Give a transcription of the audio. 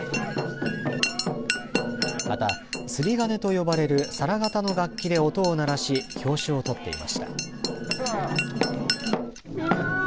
また摺鉦と呼ばれる皿形の楽器で音を鳴らし拍子を取っていました。